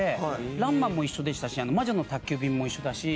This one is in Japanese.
『らんま』も一緒でしたし『魔女の宅急便』も一緒だし。